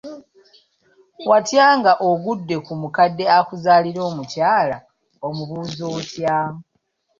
Watya nga ogudde ku mukadde akuzaalira omukyala, omubuuza otya?